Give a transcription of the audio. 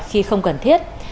khi không cần thiết